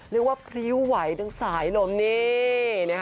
เรียกว่าพริ้วไหวดังสายลมนี่